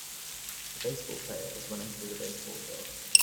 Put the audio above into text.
A baseball player is running through the baseball field.